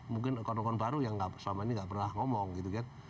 mungkin rekon baru yang selama ini nggak pernah ngomong gitu kan